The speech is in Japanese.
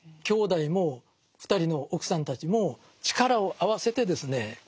兄弟も２人の奥さんたちも力を合わせてですね